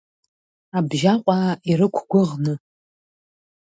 Абжьаҟәаа ирықәгәыӷны…